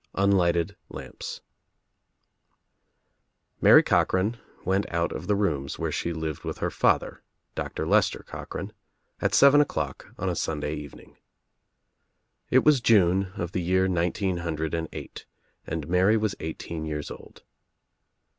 UNLIGHTED LAMPS lyT ARY COCHRAN went out of the rooms where she lived with her father, Doctor Lester Coch ran, at seven o'clock on a Sunday evening. It was June of the year nineteen hundred and eight and Mary was eighteen years old.